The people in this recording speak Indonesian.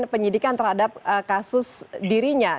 penyidikan terhadap kasus dirinya